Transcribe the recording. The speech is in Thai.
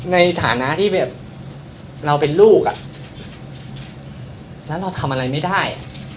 ในฐานะที่แบบเราเป็นลูกอ่ะแล้วเราทำอะไรไม่ได้